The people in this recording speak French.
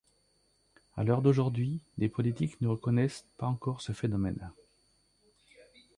À l'heure d'aujourd'hui, les politiques ne reconnaissent pas encore ce phénomène.